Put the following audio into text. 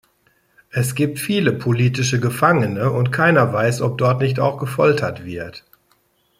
Es gibt viele politische Gefangene, und keiner weiß, ob dort nicht auch gefoltert wird.